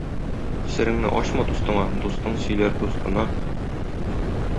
Сереңне ачма дустыңа - дустың сөйләр дустына.